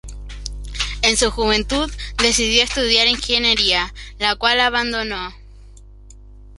En su juventud decidió estudiar ingeniería, la cual abandonó.